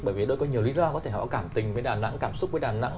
bởi vì đôi có nhiều lý do có thể họ cảm tình với đà nẵng cảm xúc với đà nẵng